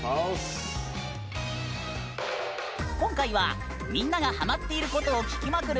今回は、みんながハマっていることを聞きまくる